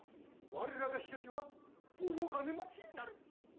我らが比嘉家は大金持ちになる！